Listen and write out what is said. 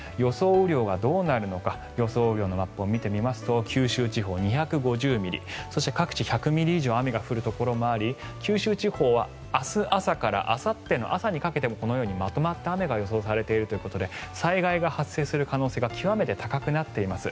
雨量がどうなるのかマップを見てみると九州地方、２５０ミリそして、各地１００ミリ以上降る所があり九州地方では明日朝からあさってにかけてこのようにまとまった雨が予想されているということで災害が発生する可能性が極めて高くなっています。